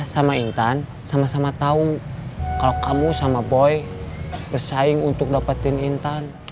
sama hintan sama sama tau kalau kamu sama boy bersaing untuk dapetin hintan